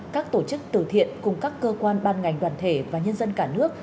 chức từ thiện cùng các cơ quan ban ngành đoàn thể và nhân dân cả nước